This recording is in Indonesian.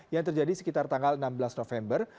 yang terjadi sekitar tanggal enam belas november